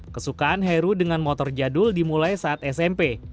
kesukaan heru dengan motor jadul dimulai saat smp